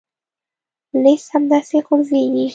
لیست همداسې غځېږي.